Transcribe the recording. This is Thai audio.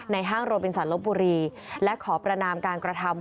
ห้างโรบินสันลบบุรีและขอประนามการกระทำ